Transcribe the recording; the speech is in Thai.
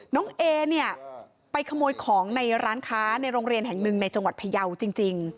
น้องเอเนี่ยไปขโมยของในร้านค้าในโรงเรียนแห่งหนึ่งในจังหวัดพยาวจริง